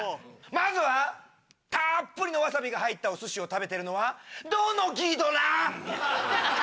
まずはたっぷりのワサビが入ったお寿司を食べてるのはどのギドラ？